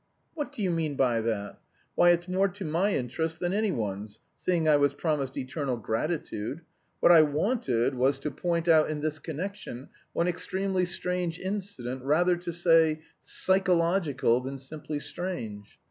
"What do you mean by that? Why it's more to my interest than anyone's, seeing I was promised eternal gratitude! What I wanted was to point out in this connection one extremely strange incident, rather to say, psychological than simply strange.